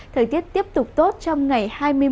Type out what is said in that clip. thời tiết tiếp tục tốt trong ngày hai mươi một hai mươi hai